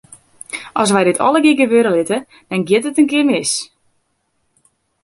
As wy dit allegear gewurde litte, dan giet it in kear mis.